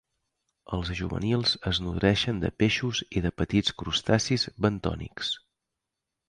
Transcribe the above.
Els juvenils es nodreixen de peixos i de petits crustacis bentònics.